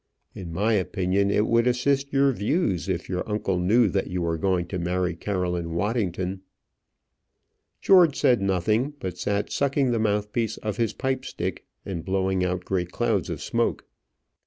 In my opinion, it would assist your views if your uncle knew that you were going to marry Caroline Waddington." George said nothing, but sat sucking the mouth piece of his pipe stick and blowing out great clouds of smoke.